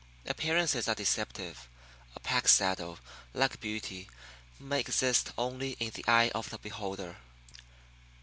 Appearances are deceptive. A pack saddle, like beauty, may exist only in the eye of the beholder.